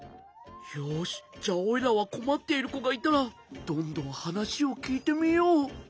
よしじゃあおいらはこまっているこがいたらどんどんはなしをきいてみよう。